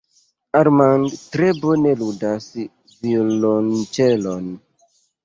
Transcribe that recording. Armand tre bone ludas violonĉelon.